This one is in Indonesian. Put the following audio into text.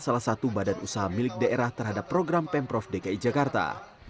salah satu badan usaha milik daerah terhadap program pemprov dki jakarta